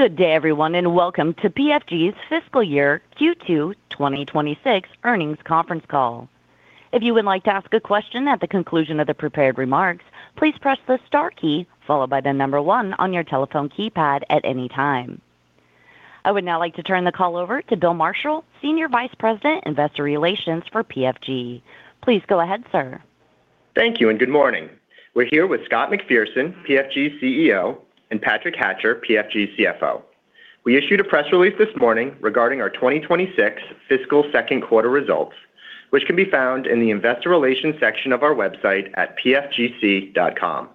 Good day, everyone, and welcome to PFG's Fiscal Year Q2 2026 Earnings Conference Call. If you would like to ask a question at the conclusion of the prepared remarks, please press the star key followed by the number one on your telephone keypad at any time. I would now like to turn the call over to Bill Marshall, Senior Vice President, Investor Relations for PFG. Please go ahead, sir. Thank you, and good morning. We're here with Scott McPherson, PFG's CEO, and Patrick Hatcher, PFG's CFO. We issued a press release this morning regarding our 2026 fiscal second quarter results, which can be found in the Investor Relations section of our website at pfgc.com.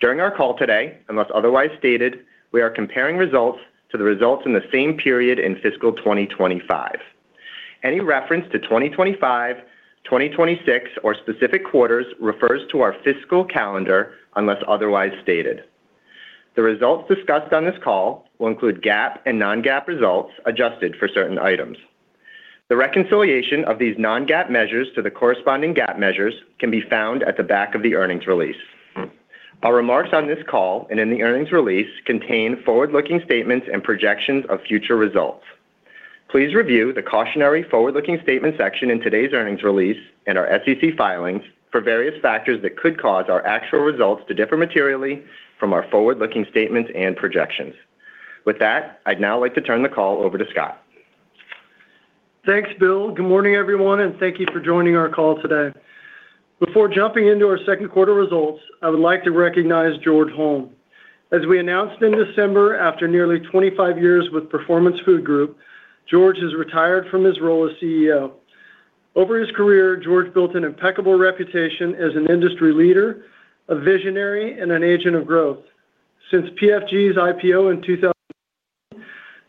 During our call today, unless otherwise stated, we are comparing results to the results in the same period in fiscal 2025. Any reference to 2025, 2026, or specific quarters refers to our fiscal calendar, unless otherwise stated. The results discussed on this call will include GAAP and non-GAAP results, adjusted for certain items. The reconciliation of these non-GAAP measures to the corresponding GAAP measures can be found at the back of the earnings release. Our remarks on this call and in the earnings release contain forward-looking statements and projections of future results. Please review the Cautionary Forward-Looking Statement section in today's earnings release and our SEC filings for various factors that could cause our actual results to differ materially from our forward-looking statements and projections. With that, I'd now like to turn the call over to Scott. Thanks, Bill. Good morning, everyone, and thank you for joining our call today. Before jumping into our second quarter results, I would like to recognize George Holm. As we announced in December, after nearly 25 years with Performance Food Group, George has retired from his role as CEO. Over his career, George built an impeccable reputation as an industry leader, a visionary, and an agent of growth. Since PFG's IPO in 2000,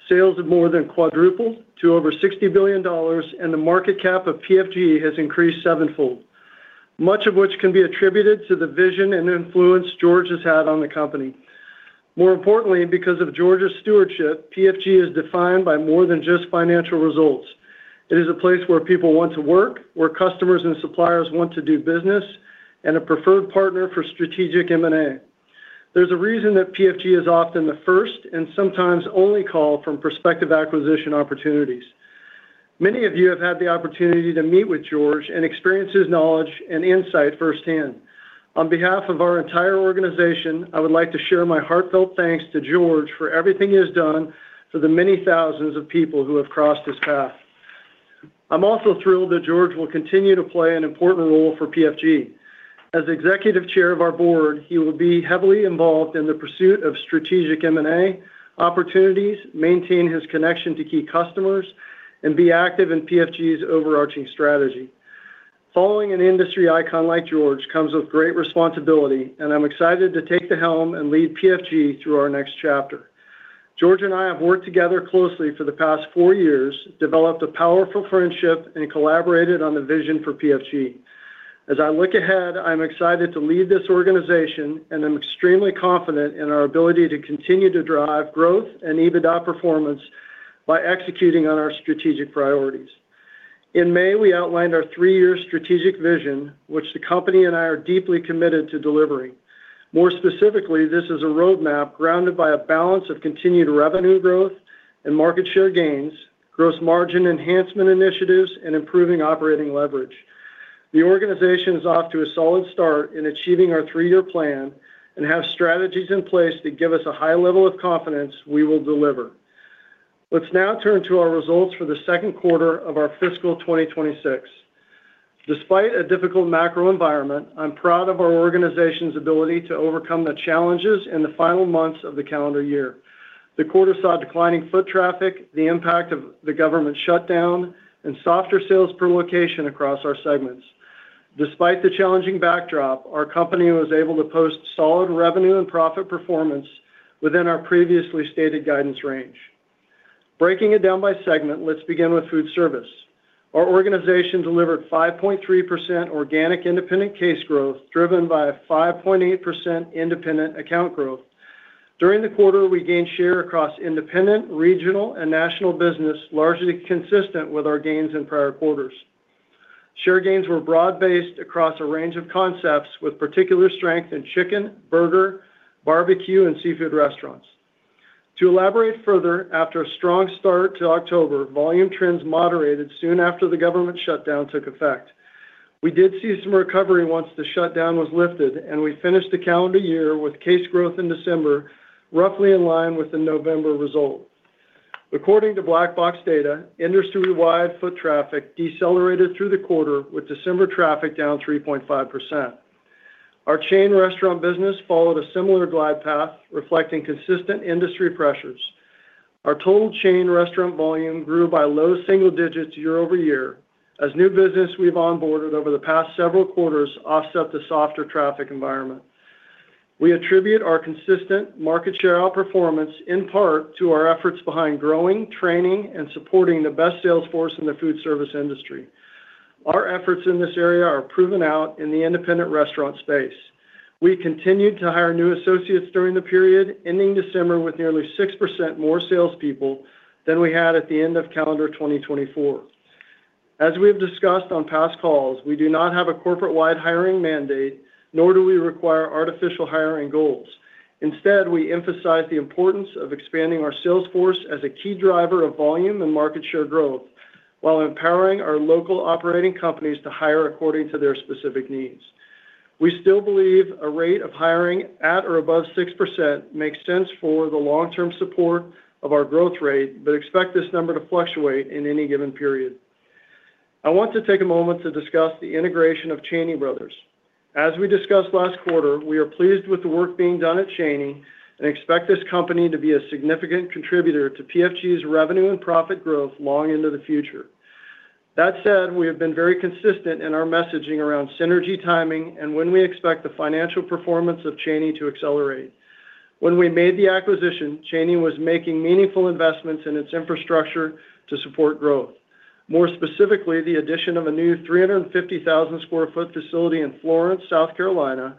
sales have more than quadrupled to over $60 billion, and the market cap of PFG has increased sevenfold, much of which can be attributed to the vision and influence George has had on the company. More importantly, because of George's stewardship, PFG is defined by more than just financial results. It is a place where people want to work, where customers and suppliers want to do business, and a preferred partner for strategic M&A. There's a reason that PFG is often the first and sometimes only call from prospective acquisition opportunities. Many of you have had the opportunity to meet with George and experience his knowledge and insight firsthand. On behalf of our entire organization, I would like to share my heartfelt thanks to George for everything he has done for the many thousands of people who have crossed his path. I'm also thrilled that George will continue to play an important role for PFG. As Executive Chair of our board, he will be heavily involved in the pursuit of strategic M&A opportunities, maintain his connection to key customers, and be active in PFG's overarching strategy. Following an industry icon like George comes with great responsibility, and I'm excited to take the helm and lead PFG through our next chapter. George and I have worked together closely for the past four years, developed a powerful friendship, and collaborated on the vision for PFG. As I look ahead, I'm excited to lead this organization, and I'm extremely confident in our ability to continue to drive growth and EBITDA performance by executing on our strategic priorities. In May, we outlined our three-year strategic vision, which the company and I are deeply committed to delivering. More specifically, this is a roadmap grounded by a balance of continued revenue growth and market share gains, gross margin enhancement initiatives, and improving operating leverage. The organization is off to a solid start in achieving our three-year plan and have strategies in place that give us a high level of confidence we will deliver. Let's now turn to our results for the second quarter of our fiscal 2026. Despite a difficult macro environment, I'm proud of our organization's ability to overcome the challenges in the final months of the calendar year. The quarter saw declining foot traffic, the impact of the government shutdown, and softer sales per location across our segments. Despite the challenging backdrop, our company was able to post solid revenue and profit performance within our previously stated guidance range. Breaking it down by segment, let's begin with food service. Our organization delivered 5.3% organic independent case growth, driven by a 5.8% independent account growth. During the quarter, we gained share across independent, regional, and national business, largely consistent with our gains in prior quarters. Share gains were broad-based across a range of concepts, with particular strength in chicken, burger, barbecue, and seafood restaurants. To elaborate further, after a strong start to October, volume trends moderated soon after the government shutdown took effect. We did see some recovery once the shutdown was lifted, and we finished the calendar year with case growth in December, roughly in line with the November results. According to Black Box data, industry-wide foot traffic decelerated through the quarter, with December traffic down 3.5%. Our chain restaurant business followed a similar glide path, reflecting consistent industry pressures. Our total chain restaurant volume grew by low single digits year-over-year, as new business we've onboarded over the past several quarters offset the softer traffic environment. We attribute our consistent market share outperformance in part to our efforts behind growing, training, and supporting the best sales force in the food service industry. Our efforts in this area are proven out in the independent restaurant space. We continued to hire new associates during the period, ending December with nearly 6% more salespeople than we had at the end of calendar 2024. As we have discussed on past calls, we do not have a corporate-wide hiring mandate, nor do we require artificial hiring goals. Instead, we emphasize the importance of expanding our sales force as a key driver of volume and market share growth, while empowering our local operating companies to hire according to their specific needs. We still believe a rate of hiring at or above 6% makes sense for the long-term support of our growth rate, but expect this number to fluctuate in any given period. I want to take a moment to discuss the integration of Cheney Brothers. As we discussed last quarter, we are pleased with the work being done at Cheney, and expect this company to be a significant contributor to PFG's revenue and profit growth long into the future. That said, we have been very consistent in our messaging around synergy timing and when we expect the financial performance of Cheney to accelerate. When we made the acquisition, Cheney was making meaningful investments in its infrastructure to support growth. More specifically, the addition of a new 350,000 sq ft facility in Florence, South Carolina,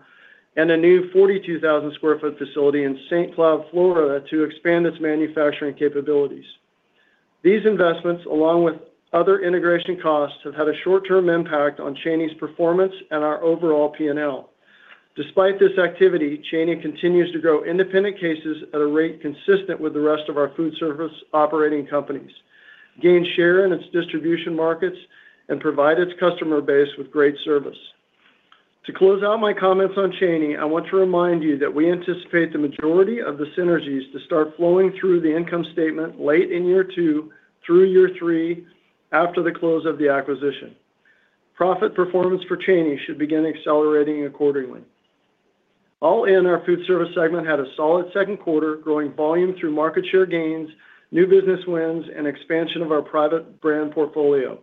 and a new 42,000 sq ft facility in St. Cloud, Florida, to expand its manufacturing capabilities. These investments, along with other integration costs, have had a short-term impact on Cheney's performance and our overall PNL. Despite this activity, Cheney continues to grow independent cases at a rate consistent with the rest of our food service operating companies, gain share in its distribution markets, and provide its customer base with great service. To close out my comments on Cheney, I want to remind you that we anticipate the majority of the synergies to start flowing through the income statement late in year two through year three, after the close of the acquisition. Profit performance for Cheney should begin accelerating accordingly. All in, our food service segment had a solid second quarter, growing volume through market share gains, new business wins, and expansion of our private brand portfolio.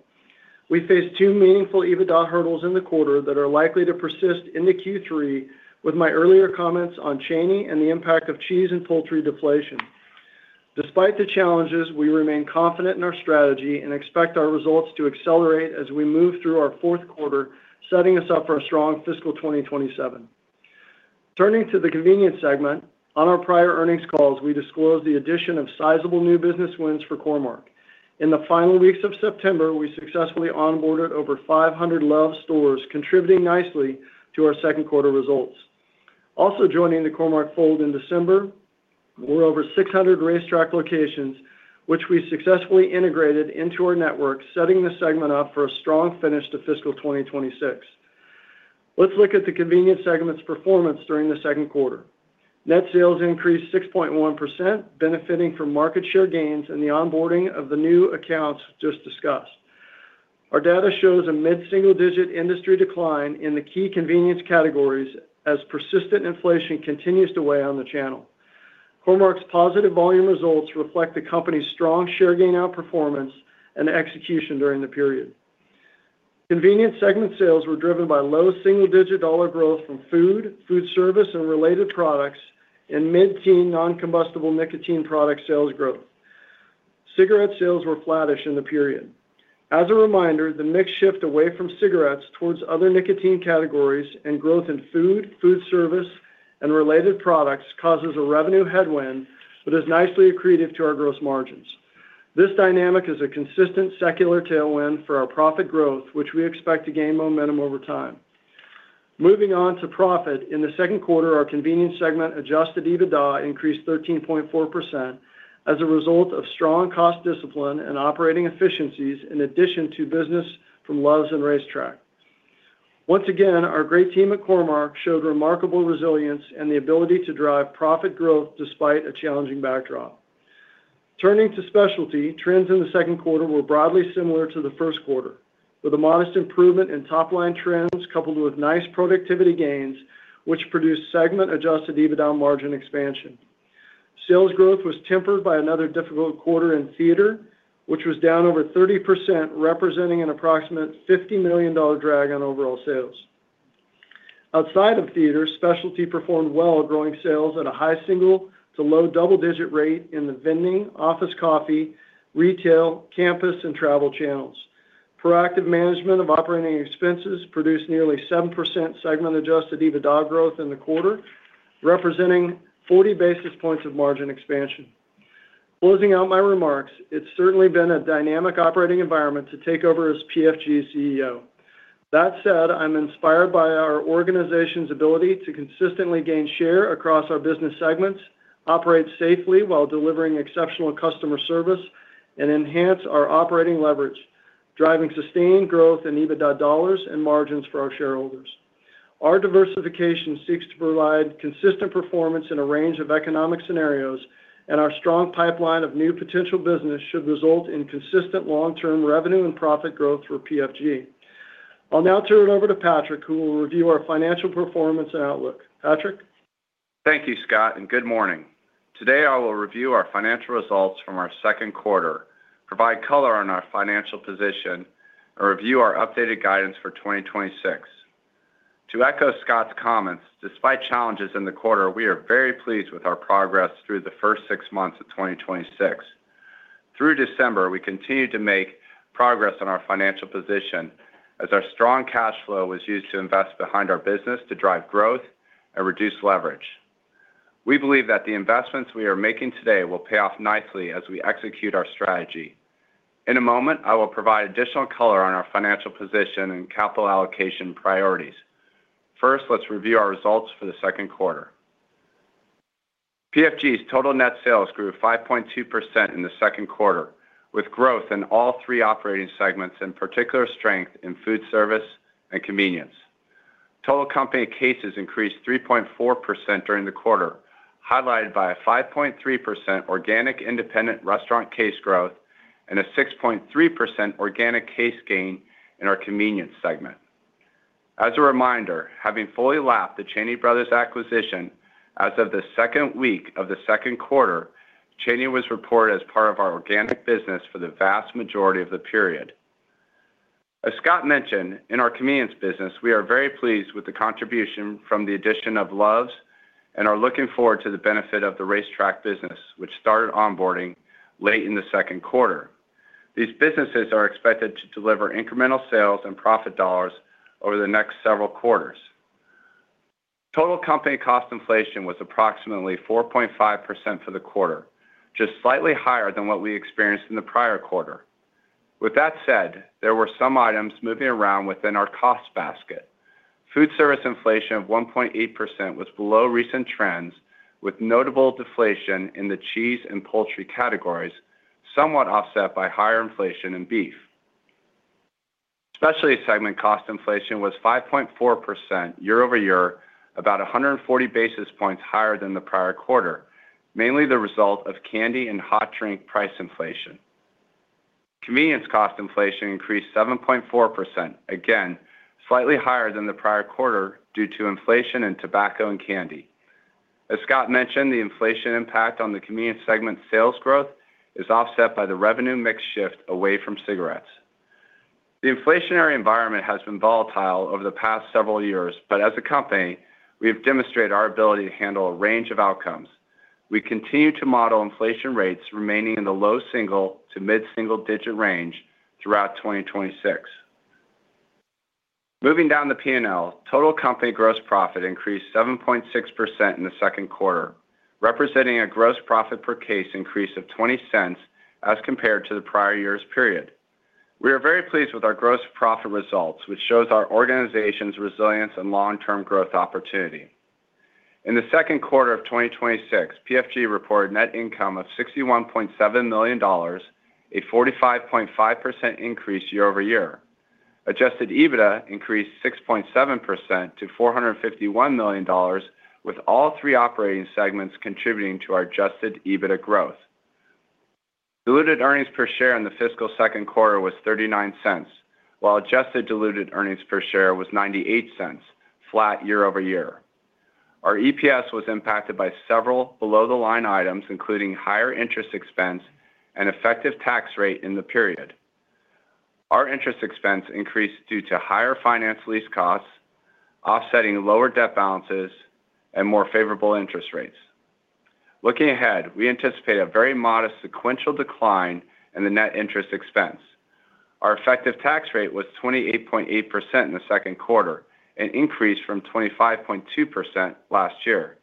We faced two meaningful EBITDA hurdles in the quarter that are likely to persist into Q3 with my earlier comments on Cheney and the impact of cheese and poultry deflation. Despite the challenges, we remain confident in our strategy and expect our results to accelerate as we move through our fourth quarter, setting us up for a strong fiscal 2027. Turning to the convenience segment, on our prior earnings calls, we disclosed the addition of sizable new business wins for Core-Mark. In the final weeks of September, we successfully onboarded over 500 Love's stores, contributing nicely to our second quarter results. Also, joining the Core-Mark fold in December, were over 600 RaceTrac locations, which we successfully integrated into our network, setting the segment up for a strong finish to fiscal 2026. Let's look at the convenience segment's performance during the second quarter. Net sales increased 6.1%, benefiting from market share gains and the onboarding of the new accounts just discussed. Our data shows a mid-single-digit industry decline in the key convenience categories as persistent inflation continues to weigh on the channel. Core-Mark's positive volume results reflect the company's strong share gain outperformance and execution during the period. Convenience segment sales were driven by low single-digit dollar growth from food, food service, and related products, and mid-teen non-combustible nicotine product sales growth. Cigarette sales were flattish in the period. As a reminder, the mix shift away from cigarettes towards other nicotine categories and growth in food, food service, and related products causes a revenue headwind, but is nicely accretive to our gross margins. This dynamic is a consistent secular tailwind for our profit growth, which we expect to gain momentum over time. Moving on to profit, in the second quarter, our convenience segment adjusted EBITDA increased 13.4% as a result of strong cost discipline and operating efficiencies, in addition to business from Love's and RaceTrac. Once again, our great team at Core-Mark showed remarkable resilience and the ability to drive profit growth despite a challenging backdrop. Turning to specialty, trends in the second quarter were broadly similar to the first quarter, with a modest improvement in top-line trends, coupled with nice productivity gains, which produced segment adjusted EBITDA margin expansion. Sales growth was tempered by another difficult quarter in theater, which was down over 30%, representing an approximate $50 million drag on overall sales. Outside of theater, specialty performed well, growing sales at a high single-digit to low double-digit rate in the vending, office coffee, retail, campus, and travel channels. Proactive management of operating expenses produced nearly 7% segment adjusted EBITDA growth in the quarter, representing 40 basis points of margin expansion. Closing out my remarks, it's certainly been a dynamic operating environment to take over as PFG's CEO. That said, I'm inspired by our organization's ability to consistently gain share across our business segments, operate safely while delivering exceptional customer service, and enhance our operating leverage, driving sustained growth in EBITDA dollars and margins for our shareholders. Our diversification seeks to provide consistent performance in a range of economic scenarios, and our strong pipeline of new potential business should result in consistent long-term revenue and profit growth for PFG. I'll now turn it over to Patrick, who will review our financial performance and outlook. Patrick? Thank you, Scott, and good morning. Today, I will review our financial results from our second quarter, provide color on our financial position, and review our updated guidance for 2026. To echo Scott's comments, despite challenges in the quarter, we are very pleased with our progress through the first six months of 2026. Through December, we continued to make progress on our financial position as our strong cash flow was used to invest behind our business to drive growth and reduce leverage. We believe that the investments we are making today will pay off nicely as we execute our strategy. In a moment, I will provide additional color on our financial position and capital allocation priorities. First, let's review our results for the second quarter. PFG's total net sales grew 5.2% in the second quarter, with growth in all three operating segments, in particular, strength in food service and convenience. Total company cases increased 3.4% during the quarter, highlighted by a 5.3% organic independent restaurant case growth and a 6.3% organic case gain in our convenience segment. As a reminder, having fully lapped the Cheney Brothers acquisition, as of the second week of the second quarter, Cheney was reported as part of our organic business for the vast majority of the period. As Scott mentioned, in our convenience business, we are very pleased with the contribution from the addition of Loves and are looking forward to the benefit of the RaceTrac business, which started onboarding late in the second quarter. These businesses are expected to deliver incremental sales and profit dollars over the next several quarters. Total company cost inflation was approximately 4.5% for the quarter, just slightly higher than what we experienced in the prior quarter. With that said, there were some items moving around within our cost basket. Food service inflation of 1.8% was below recent trends, with notable deflation in the cheese and poultry categories, somewhat offset by higher inflation in beef. Specialty segment cost inflation was 5.4% year-over-year, about 140 basis points higher than the prior quarter, mainly the result of candy and hot drink price inflation. Convenience cost inflation increased 7.4%, again, slightly higher than the prior quarter due to inflation in tobacco and candy. As Scott mentioned, the inflation impact on the convenience segment sales growth is offset by the revenue mix shift away from cigarettes. The inflationary environment has been volatile over the past several years, but as a company, we have demonstrated our ability to handle a range of outcomes. We continue to model inflation rates remaining in the low single- to mid-single-digit range throughout 2026. Moving down the P&L, total company gross profit increased 7.6% in the second quarter, representing a gross profit per case increase of $0.20 as compared to the prior year's period. We are very pleased with our gross profit results, which shows our organization's resilience and long-term growth opportunity. In the second quarter of 2026, PFG reported net income of $61.7 million, a 45.5% increase year-over-year. Adjusted EBITDA increased 6.7% to $451 million, with all three operating segments contributing to our adjusted EBITDA growth. Diluted earnings per share in the fiscal second quarter was $0.39, while adjusted diluted earnings per share was $0.98, flat year-over-year. Our EPS was impacted by several below-the-line items, including higher interest expense and effective tax rate in the period. Our interest expense increased due to higher finance lease costs, offsetting lower debt balances and more favorable interest rates. Looking ahead, we anticipate a very modest sequential decline in the net interest expense. Our effective tax rate was 28.8% in the second quarter, an increase from 25.2% last year.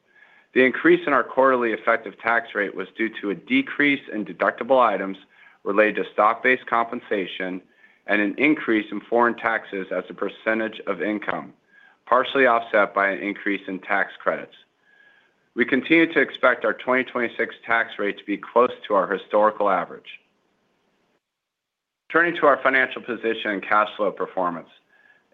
The increase in our quarterly effective tax rate was due to a decrease in deductible items related to stock-based compensation and an increase in foreign taxes as a percentage of income, partially offset by an increase in tax credits. We continue to expect our 2026 tax rate to be close to our historical average. Turning to our financial position and cash flow performance.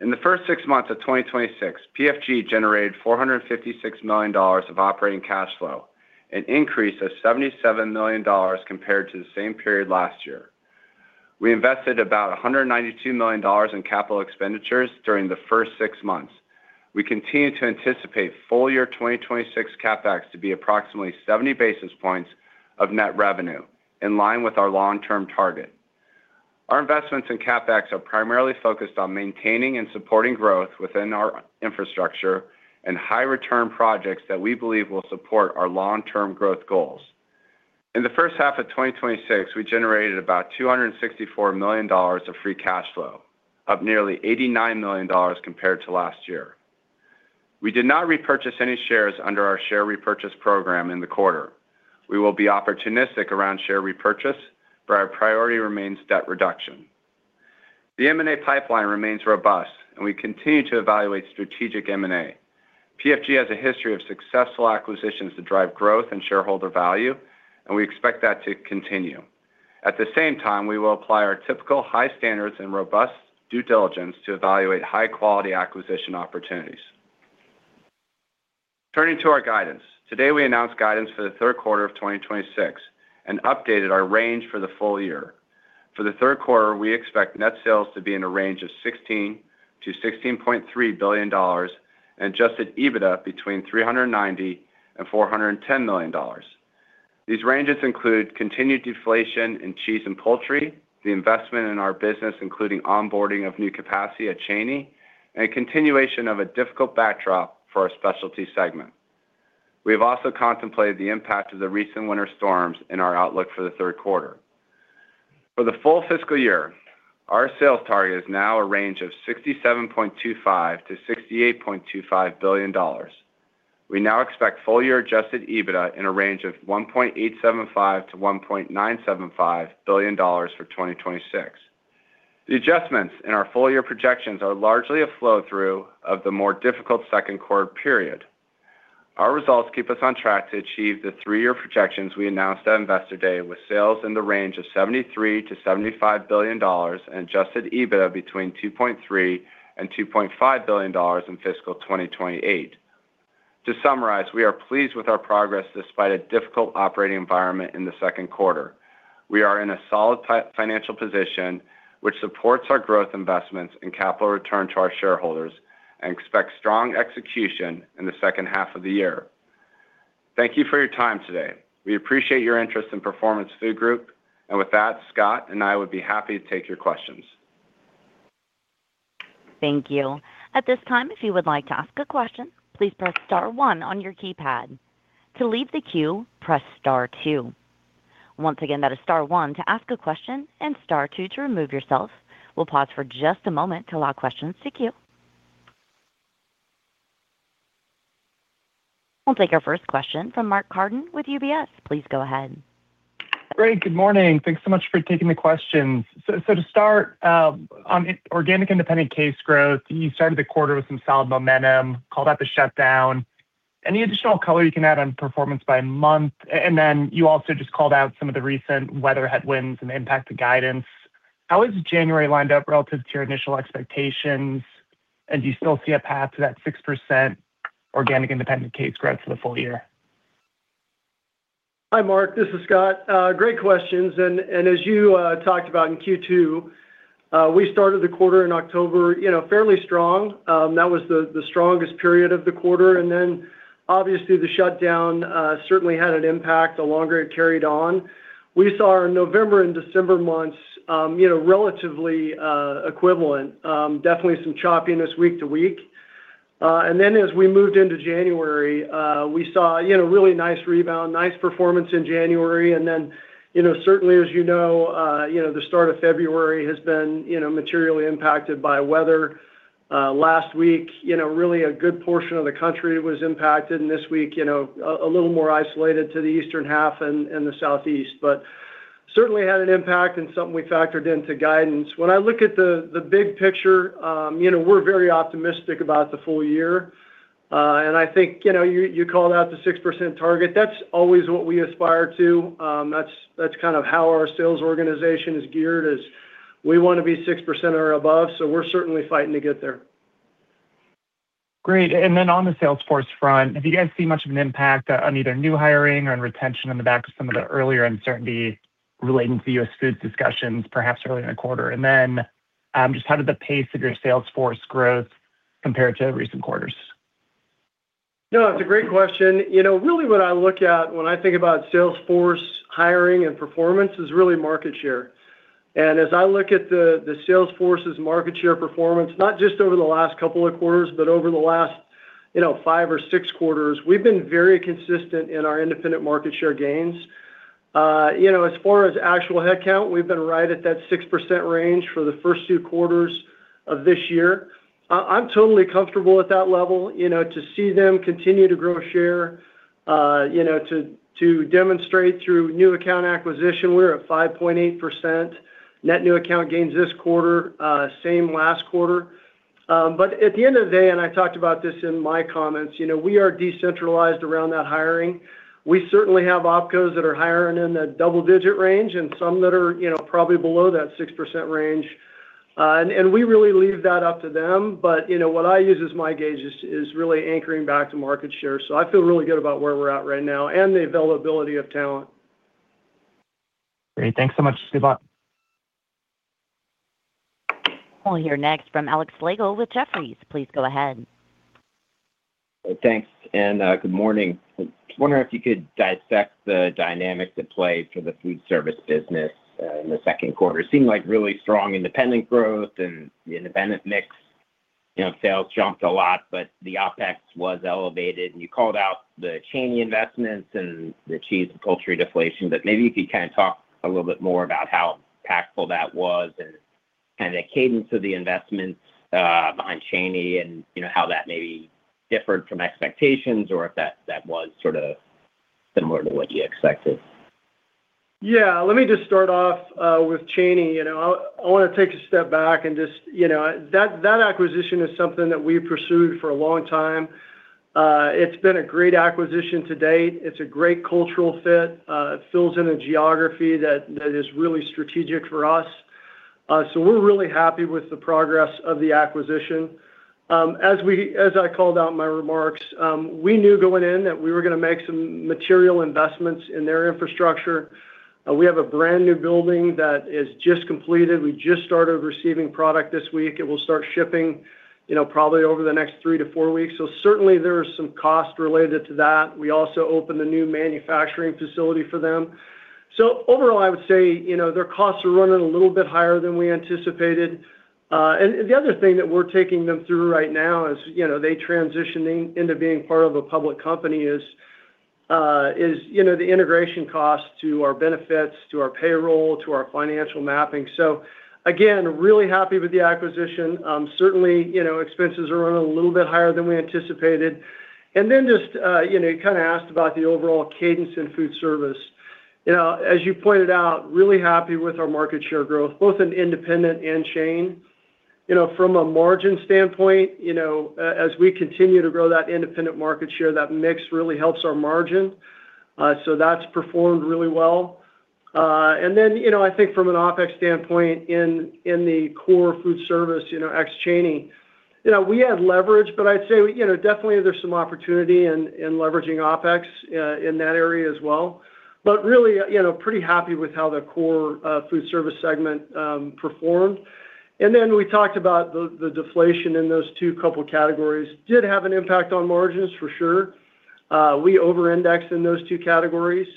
In the first six months of 2026, PFG generated $456 million of operating cash flow, an increase of $77 million compared to the same period last year. We invested about $192 million in capital expenditures during the first six months. We continue to anticipate full year 2026 CapEx to be approximately 70 basis points of net revenue, in line with our long-term target. Our investments in CapEx are primarily focused on maintaining and supporting growth within our infrastructure and high return projects that we believe will support our long-term growth goals. In the first half of 2026, we generated about $264 million of free cash flow, up nearly $89 million compared to last year. We did not repurchase any shares under our share repurchase program in the quarter. We will be opportunistic around share repurchase, but our priority remains debt reduction. The M&A pipeline remains robust, and we continue to evaluate strategic M&A. PFG has a history of successful acquisitions to drive growth and shareholder value, and we expect that to continue. At the same time, we will apply our typical high standards and robust due diligence to evaluate high-quality acquisition opportunities. Turning to our guidance. Today, we announced guidance for the third quarter of 2026 and updated our range for the full year. For the third quarter, we expect net sales to be in a range of $16 billion-$16.3 billion and Adjusted EBITDA between $390 million and $410 million. These ranges include continued deflation in cheese and poultry, the investment in our business, including onboarding of new capacity at Cheney, and a continuation of a difficult backdrop for our specialty segment. We have also contemplated the impact of the recent winter storms in our outlook for the third quarter. For the full fiscal year, our sales target is now a range of $67.25 billion-$68.25 billion. We now expect full-year Adjusted EBITDA in a range of $1.875 billion-$1.975 billion for 2026. The adjustments in our full-year projections are largely a flow-through of the more difficult second quarter period. Our results keep us on track to achieve the three-year projections we announced at Investor Day, with sales in the range of $73-$75 billion and Adjusted EBITDA between $2.3 billion and $2.5 billion in fiscal 2028. To summarize, we are pleased with our progress despite a difficult operating environment in the second quarter. We are in a solid financial position, which supports our growth investments and capital return to our shareholders and expect strong execution in the second half of the year. Thank you for your time today. We appreciate your interest in Performance Food Group, and with that, Scott and I would be happy to take your questions. Thank you. At this time, if you would like to ask a question, please press star one on your keypad. To leave the queue, press star two. Once again, that is star one to ask a question and star two to remove yourself. We'll pause for just a moment to allow questions to queue. We'll take our first question from Mark Carden with UBS. Please go ahead. Great, good morning. Thanks so much for taking the questions. So, to start, on organic independent case growth, you started the quarter with some solid momentum, called out the shutdown. Any additional color you can add on performance by month? And then you also just called out some of the recent weather headwinds and the impact to guidance. How is January lined up relative to your initial expectations? And do you still see a path to that 6% organic independent case growth for the full year? Hi, Mark, this is Scott. Great questions, and as you talked about in Q2, we started the quarter in October, you know, fairly strong. That was the strongest period of the quarter, and then obviously the shutdown certainly had an impact the longer it carried on. We saw our November and December months, you know, relatively equivalent, definitely some choppiness week to week. And then as we moved into January, we saw, you know, really nice rebound, nice performance in January. And then, you know, certainly, as you know, you know, the start of February has been, you know, materially impacted by weather. Last week, you know, really a good portion of the country was impacted, and this week, you know, a little more isolated to the eastern half and the southeast, but certainly had an impact and something we factored into guidance. When I look at the big picture, you know, we're very optimistic about the full year. I think, you know, you called out the 6% target. That's always what we aspire to. That's kind of how our sales organization is geared; we want to be 6% or above, so we're certainly fighting to get there. Great. And then on the sales force front, have you guys seen much of an impact on either new hiring or on retention on the back of some of the earlier uncertainty relating to US Foods discussions, perhaps earlier in the quarter? And then, just how did the pace of your sales force growth compare to recent quarters? No, it's a great question. You know, really what I look at when I think about sales force hiring and performance is really market share. And as I look at the sales force's market share performance, not just over the last couple of quarters, but over the last, you know, five or six quarters, we've been very consistent in our independent market share gains. You know, as far as actual headcount, we've been right at that 6% range for the first two quarters of this year. I'm totally comfortable at that level, you know, to see them continue to grow share, you know, to demonstrate through new account acquisition. We're at 5.8% net new account gains this quarter, same last quarter. But at the end of the day, and I talked about this in my comments, you know, we are decentralized around that hiring. We certainly have opcos that are hiring in the double-digit range and some that are, you know, probably below that 6% range. We really leave that up to them. But, you know, what I use as my gauge is really anchoring back to market share. So I feel really good about where we're at right now and the availability of talent. Great. Thanks so much. Good luck. We'll hear next from Alex Slagle with Jefferies. Please go ahead. Thanks, and good morning. I was wondering if you could dissect the dynamics at play for the food service business in the second quarter. Seemed like really strong independent growth and the independent mix, you know, sales jumped a lot, but the OpEx was elevated. And you called out the Cheney investments and the cheese and poultry deflation. But maybe you could kind of talk a little bit more about how impactful that was and kind of the cadence of the investments behind Cheney and, you know, how that maybe differed from expectations or if that, that was sort of similar to what you expected. Yeah, let me just start off with Cheney. You know, I want to take a step back and just... You know, that acquisition is something that we pursued for a long time. It's been a great acquisition to date. It's a great cultural fit. It fills in a geography that is really strategic for us. So we're really happy with the progress of the acquisition. As I called out in my remarks, we knew going in that we were going to make some material investments in their infrastructure. We have a brand-new building that is just completed. We just started receiving product this week. It will start shipping, you know, probably over the next 3-4 weeks. So certainly, there are some costs related to that. We also opened a new manufacturing facility for them. So overall, I would say, you know, their costs are running a little bit higher than we anticipated. And the other thing that we're taking them through right now is, you know, they transitioning into being part of a public company is, you know, the integration costs to our benefits, to our payroll, to our financial mapping. So again, really happy with the acquisition. Certainly, you know, expenses are running a little bit higher than we anticipated. And then just, you know, you kinda asked about the overall cadence in food service. You know, as you pointed out, really happy with our market share growth, both in independent and chain. You know, from a margin standpoint, you know, as we continue to grow that independent market share, that mix really helps our margin. So that's performed really well. And then, you know, I think from an OpEx standpoint, in the core food service, you know, ex Cheney, you know, we had leverage, but I'd say, you know, definitely there's some opportunity in leveraging OpEx in that area as well. But really, you know, pretty happy with how the core food service segment performed. And then we talked about the deflation in those two couple categories. Did have an impact on margins, for sure. We overindexed in those two categories.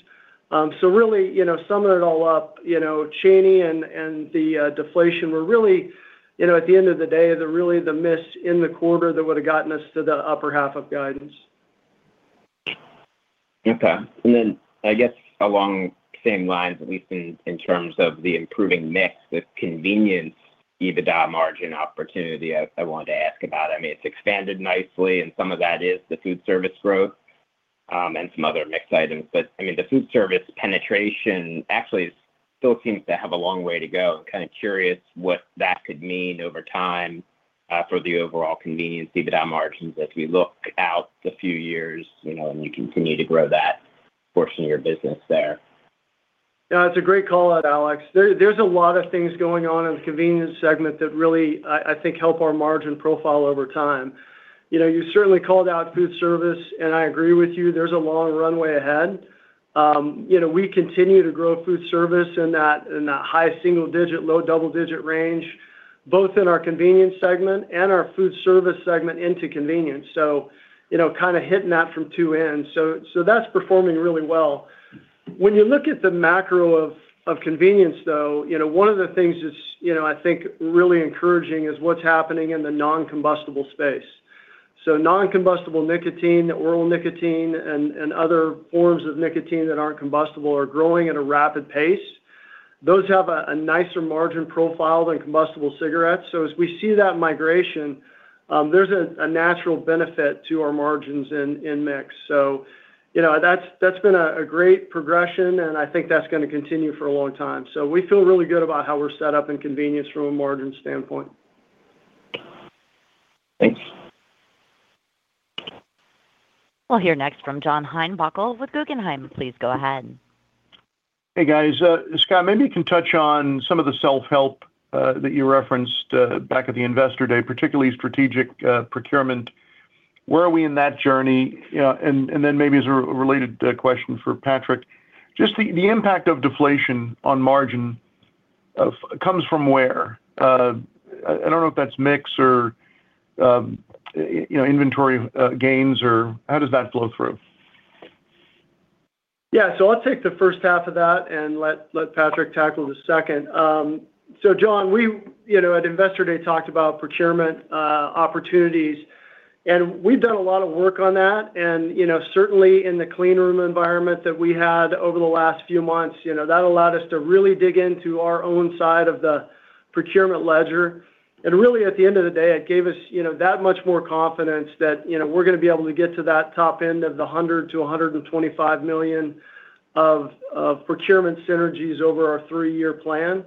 So really, you know, summing it all up, you know, Cheney and the deflation were really, you know, at the end of the day, they're really the miss in the quarter that would've gotten us to the upper half of guidance. Okay. And then, I guess, along the same lines, at least in terms of the improving mix, the convenience, EBITDA margin opportunity, I wanted to ask about. I mean, it's expanded nicely, and some of that is the food service growth, and some other mix items. But, I mean, the food service penetration actually still seems to have a long way to go. I'm kinda curious what that could mean over time, for the overall convenience EBITDA margins as we look out a few years, you know, and you continue to grow that portion of your business there. Yeah, it's a great call out, Alex. There, there's a lot of things going on in the convenience segment that really, I think, help our margin profile over time. You know, you certainly called out food service, and I agree with you, there's a long runway ahead. You know, we continue to grow food service in that high single-digit, low double-digit range, both in our convenience segment and our food service segment into convenience. So, you know, kinda hitting that from two ends. So that's performing really well. When you look at the macro of convenience, though, you know, one of the things that's, you know, I think, really encouraging is what's happening in the non-combustible space. So non-combustible nicotine, oral nicotine, and other forms of nicotine that aren't combustible are growing at a rapid pace. Those have a nicer margin profile than combustible cigarettes. So as we see that migration, there's a natural benefit to our margins in mix. So, you know, that's been a great progression, and I think that's gonna continue for a long time. So we feel really good about how we're set up in convenience from a margin standpoint. Thanks. We'll hear next from John Heinbockel with Guggenheim. Please go ahead. Hey, guys. Scott, maybe you can touch on some of the self-help that you referenced back at the Investor Day, particularly strategic procurement. Where are we in that journey? And then maybe as a related question for Patrick, just the impact of deflation on margin comes from where? I don't know if that's mix or, you know, inventory gains, or how does that flow through? Yeah. So I'll take the first half of that and let Patrick tackle the second. So John, we, you know, at Investor Day, talked about procurement opportunities, and we've done a lot of work on that. And, you know, certainly in the clean room environment that we had over the last few months, you know, that allowed us to really dig into our own side of the procurement ledger. And really, at the end of the day, it gave us, you know, that much more confidence that, you know, we're gonna be able to get to that top end of the $100-$125 million of procurement synergies over our three-year plan.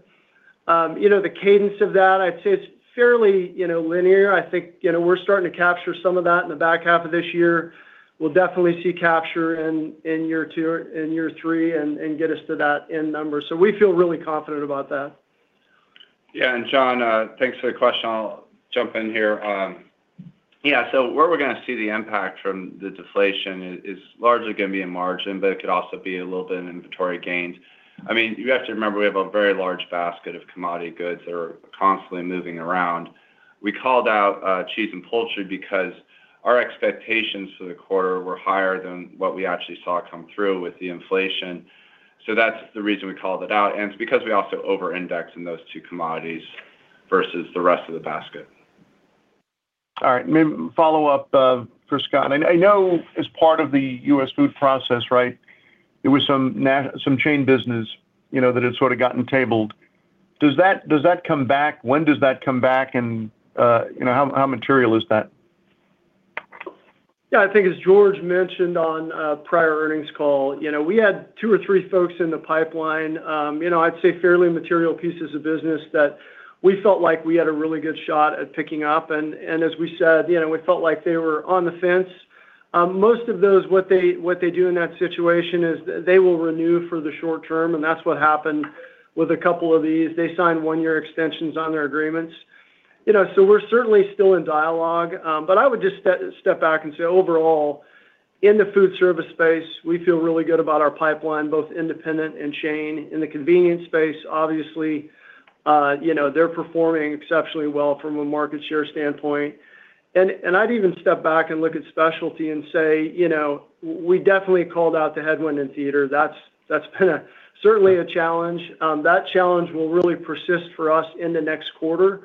You know, the cadence of that, I'd say it's fairly, you know, linear. I think, you know, we're starting to capture some of that in the back half of this year. We'll definitely see capture in, in year two, in year three, and, and get us to that end number. So we feel really confident about that. Yeah, and John, thanks for the question. I'll jump in here. Yeah, so where we're gonna see the impact from the deflation is largely gonna be in margin, but it could also be a little bit in inventory gains. I mean, you have to remember, we have a very large basket of commodity goods that are constantly moving around. We called out cheese and poultry because our expectations for the quarter were higher than what we actually saw come through with the inflation. So that's the reason we called it out, and it's because we also overindex in those two commodities versus the rest of the basket. All right. May follow up for Scott. I know as part of the US Foods process, right, there was some chain business, you know, that had sort of gotten tabled. Does that come back? When does that come back, and you know, how material is that? Yeah, I think as George mentioned on a prior earnings call, you know, we had two or three folks in the pipeline, you know, I'd say fairly material pieces of business that we felt like we had a really good shot at picking up. And as we said, you know, we felt like they were on the fence. Most of those, what they do in that situation is they will renew for the short term, and that's what happened with a couple of these. They signed one-year extensions on their agreements. You know, so we're certainly still in dialogue. But I would just step back and say, overall, in the food service space, we feel really good about our pipeline, both independent and chain. In the convenience space, obviously, you know, they're performing exceptionally well from a market share standpoint. I'd even step back and look at specialty and say, you know, we definitely called out the headwind in theater. That's, that's been certainly a challenge. That challenge will really persist for us in the next quarter.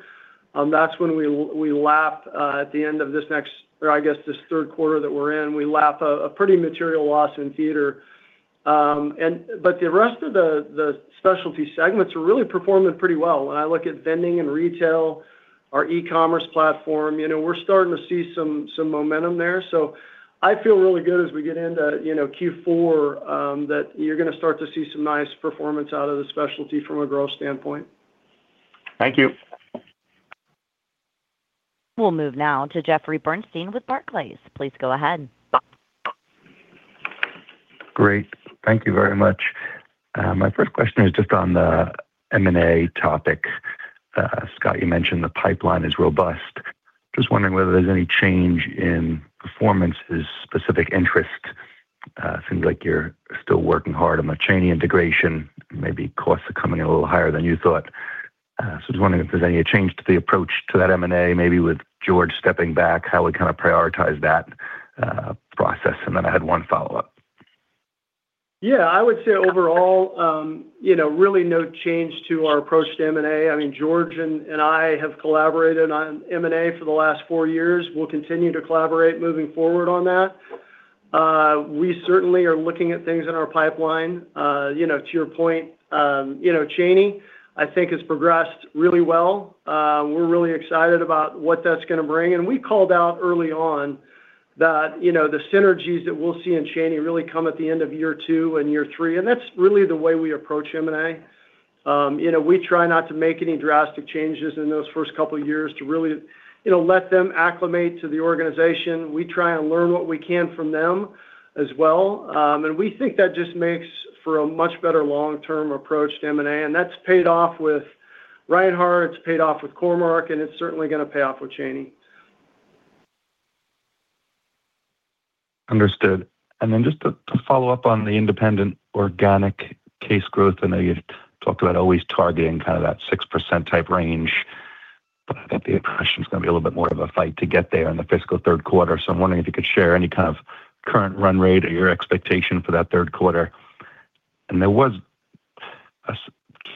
That's when we lap at the end of this next, or I guess, this third quarter that we're in, we lap a pretty material loss in theater. But the rest of the specialty segments are really performing pretty well. When I look at vending and retail, our e-commerce platform, you know, we're starting to see some momentum there. So I feel really good as we get into, you know, Q4, that you're gonna start to see some nice performance out of the specialty from a growth standpoint. Thank you. We'll move now to Jeffrey Bernstein with Barclays. Please go ahead. Great. Thank you very much. My first question is just on the M&A topic. Scott, you mentioned the pipeline is robust. Just wondering whether there's any change in Performance's specific interest? Seems like you're still working hard on the Cheney integration. Maybe costs are coming in a little higher than you thought. So just wondering if there's any change to the approach to that M&A, maybe with George stepping back, how we kinda prioritize that, process. And then I had one follow-up. Yeah, I would say overall, you know, really no change to our approach to M&A. I mean, George and I have collaborated on M&A for the last four years. We'll continue to collaborate moving forward on that. We certainly are looking at things in our pipeline. You know, to your point, you know, Cheney, I think, has progressed really well. We're really excited about what that's gonna bring, and we called out early on that, you know, the synergies that we'll see in Cheney really come at the end of year two and year three, and that's really the way we approach M&A. You know, we try not to make any drastic changes in those first couple of years to really, you know, let them acclimate to the organization. We try and learn what we can from them as well. We think that just makes for a much better long-term approach to M&A, and that's paid off with Reinhart, it's paid off with Core-Mark, and it's certainly gonna pay off with Cheney. Understood. And then just to follow up on the independent organic case growth, I know you talked about always targeting kind of that 6% type range, but I think the impression is gonna be a little bit more of a fight to get there in the fiscal third quarter. So I'm wondering if you could share any kind of current run rate or your expectation for that third quarter. And there was just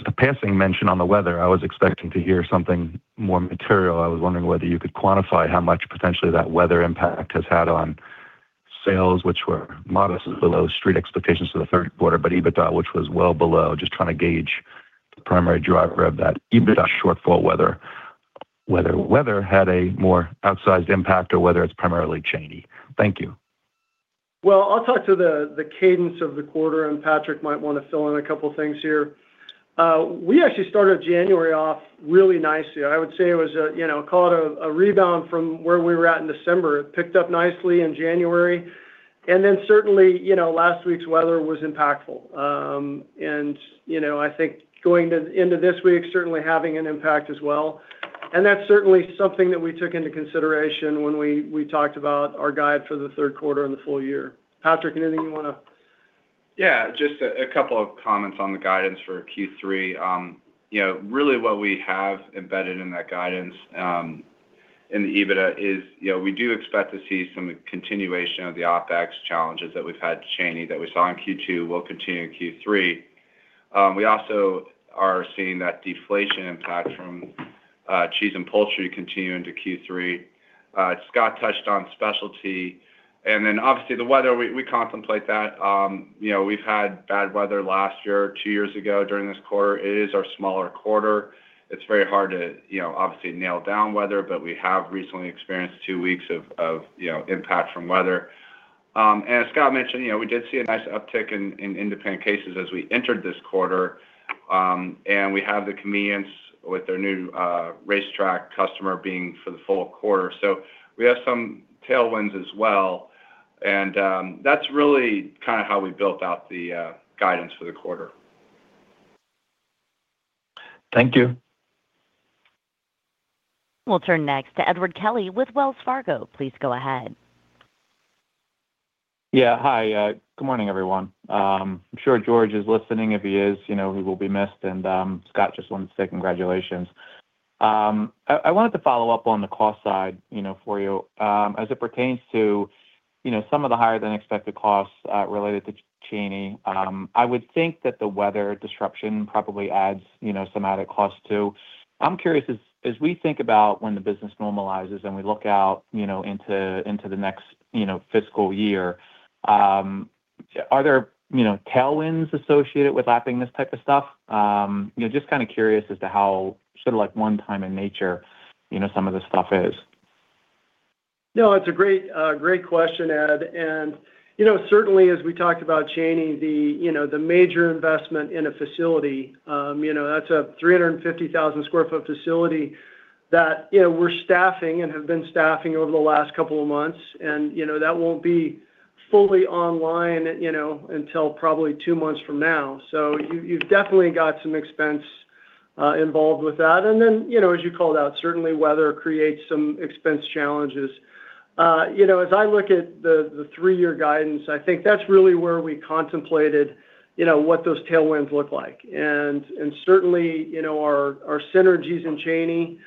a passing mention on the weather. I was expecting to hear something more material. I was wondering whether you could quantify how much potentially that weather impact has had on sales, which were modestly below street expectations for the third quarter, but EBITDA, which was well below, just trying to gauge the primary driver of that EBITDA shortfall, whether weather had a more outsized impact or whether it's primarily Cheney. Thank you. Well, I'll talk to the cadence of the quarter, and Patrick might want to fill in a couple of things here. We actually started January off really nicely. I would say it was a, you know, call it a rebound from where we were at in December. It picked up nicely in January, and then certainly, you know, last week's weather was impactful. And, you know, I think going into this week, certainly having an impact as well. And that's certainly something that we took into consideration when we talked about our guide for the third quarter and the full year. Patrick, anything you wanna? Yeah, just a couple of comments on the guidance for Q3. You know, really what we have embedded in that guidance, in the EBITDA is, you know, we do expect to see some continuation of the OpEx challenges that we've had Cheney, that we saw in Q2, will continue in Q3. We also are seeing that deflation impact from cheese and poultry continue into Q3. Scott touched on specialty, and then obviously, the weather, we contemplate that. You know, we've had bad weather last year, two years ago, during this quarter. It is our smaller quarter. It's very hard to, you know, obviously, nail down weather, but we have recently experienced two weeks of impact from weather. And as Scott mentioned, you know, we did see a nice uptick in independent cases as we entered this quarter, and we have the convenience with their new RaceTrac customer being for the full quarter. So we have some tailwinds as well, and that's really kinda how we built out the guidance for the quarter. Thank you. We'll turn next to Edward Kelly with Wells Fargo. Please go ahead. Yeah. Hi, good morning, everyone. I'm sure George is listening. If he is, you know, he will be missed, and, Scott, just wanted to say congratulations. I wanted to follow up on the cost side, you know, for you. As it pertains to, you know, some of the higher-than-expected costs related to Cheney, I would think that the weather disruption probably adds, you know, some added cost, too. I'm curious, as we think about when the business normalizes and we look out, you know, into the next, you know, fiscal year, are there, you know, tailwinds associated with lapping this type of stuff? You know, just kinda curious as to how sort of like one-time in nature, you know, some of this stuff is. No, it's a great, great question, Ed. And you know, certainly, as we talked about Cheney, the, you know, the major investment in a facility, you know, that's a 350,000 sq ft facility that, you know, we're staffing and have been staffing over the last couple of months, and, you know, that won't be fully online, you know, until probably two months from now. So you, you've definitely got some expense involved with that. And then, you know, as you called out, certainly weather creates some expense challenges. You know, as I look at the, the three-year guidance, I think that's really where we contemplated, you know, what those tailwinds look like. And, and certainly, you know, our, our synergies in Cheney,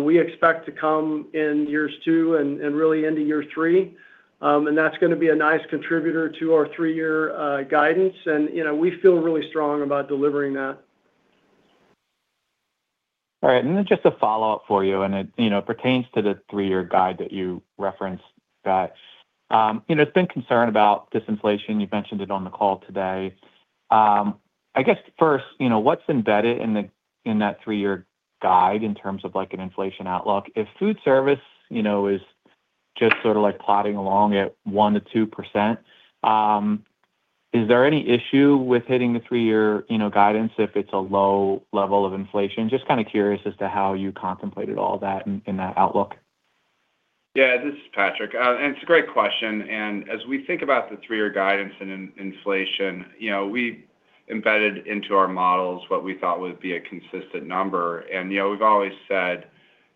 we expect to come in years two and, and really into year three. And that's gonna be a nice contributor to our three-year guidance, and, you know, we feel really strong about delivering that. All right, and then just a follow-up for you, and it, you know, pertains to the three-year guide that you referenced, Scott. You know, there's been concern about disinflation. You've mentioned it on the call today. I guess, first, you know, what's embedded in that three-year guide in terms of, like, an inflation outlook? If food service, you know, is just sort of, like, plodding along at 1%-2%, is there any issue with hitting the three-year, you know, guidance if it's a low level of inflation? Just kind of curious as to how you contemplated all that in that outlook. Yeah, this is Patrick. And it's a great question, and as we think about the three-year guidance and inflation, you know, we embedded into our models what we thought would be a consistent number. And, you know, we've always said,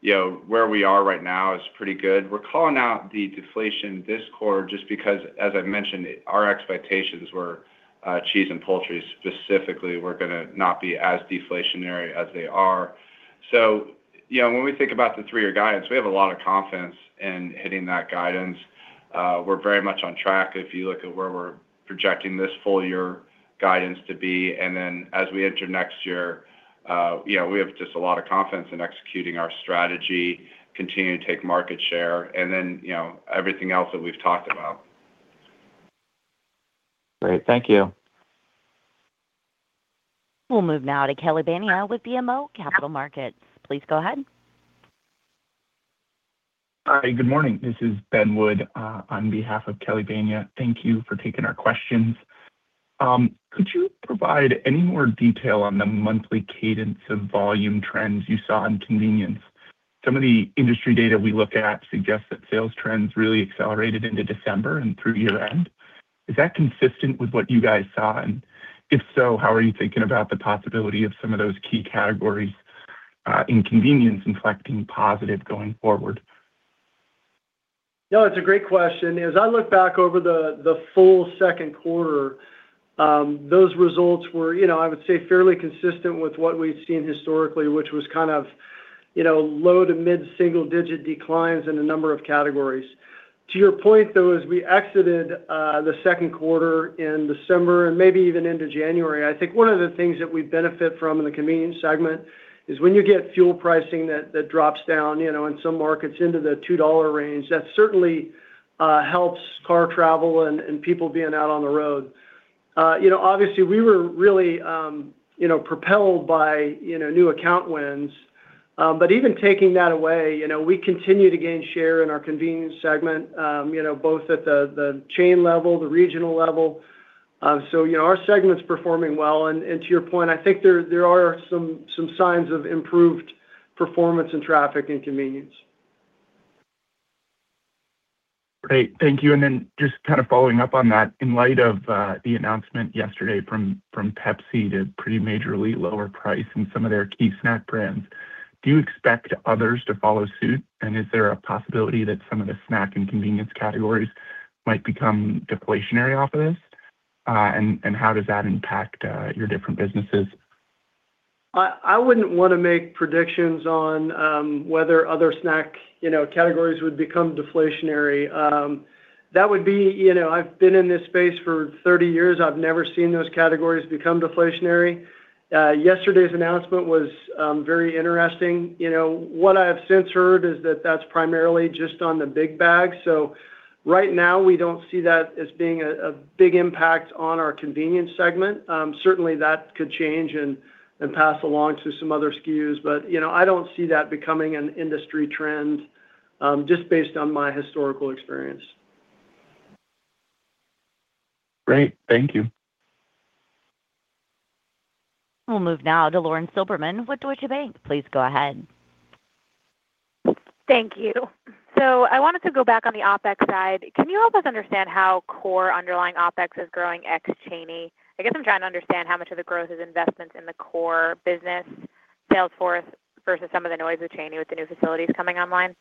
you know, where we are right now is pretty good. We're calling out the deflation discord, just because, as I mentioned, our expectations were, cheese and poultry specifically, were gonna not be as deflationary as they are. So, you know, when we think about the three-year guidance, we have a lot of confidence in hitting that guidance. We're very much on track if you look at where we're projecting this full year guidance to be. And then, as we enter next year, you know, we have just a lot of confidence in executing our strategy, continuing to take market share, and then, you know, everything else that we've talked about. Great. Thank you. We'll move now to Kelly Bania with BMO Capital Markets. Please go ahead. Hi, good morning. This is Ben Wood on behalf of Kelly Bania. Thank you for taking our questions. Could you provide any more detail on the monthly cadence of volume trends you saw in convenience? Some of the industry data we look at suggests that sales trends really accelerated into December and through year-end. Is that consistent with what you guys saw? And if so, how are you thinking about the possibility of some of those key categories in convenience impacting positive going forward? No, it's a great question. As I look back over the full second quarter, those results were, you know, I would say, fairly consistent with what we've seen historically, which was kind of, you know, low- to mid-single-digit declines in a number of categories. To your point, though, as we exited the second quarter in December, and maybe even into January, I think one of the things that we benefit from in the convenience segment is when you get fuel pricing that drops down, you know, in some markets, into the $2 range, that certainly helps car travel and people being out on the road. You know, obviously, we were really propelled by, you know, new account wins. But even taking that away, you know, we continue to gain share in our convenience segment, you know, both at the chain level, the regional level. So, you know, our segment's performing well. And, and to your point, I think there are some signs of improved performance and traffic and convenience. Great. Thank you. And then just kind of following up on that, in light of the announcement yesterday from Pepsi to pretty majorly lower price in some of their key snack brands, do you expect others to follow suit? And is there a possibility that some of the snack and convenience categories might become deflationary off of this? And how does that impact your different businesses? I wouldn't want to make predictions on whether other snack, you know, categories would become deflationary. That would be... You know, I've been in this space for 30 years, I've never seen those categories become deflationary. Yesterday's announcement was very interesting. You know, what I have since heard is that that's primarily just on the big bag. So right now, we don't see that as being a big impact on our convenience segment. Certainly, that could change and pass along to some other SKUs. But, you know, I don't see that becoming an industry trend just based on my historical experience. Great. Thank you. We'll move now to Lauren Silberman with Deutsche Bank. Please go ahead. Thank you. I wanted to go back on the OpEx side. Can you help us understand how core underlying OpEx is growing ex Cheney? I guess I'm trying to understand how much of the growth is investments in the core business sales force versus some of the noise of Cheney with the new facilities coming online.